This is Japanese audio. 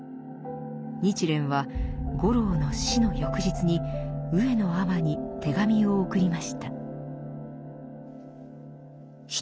日蓮は五郎の死の翌日に上野尼に手紙を送りました。